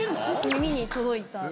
耳に届いた。